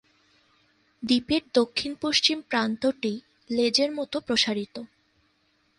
দ্বীপের দক্ষিণ-পশ্চিম প্রান্তটি লেজের মত প্রসারিত।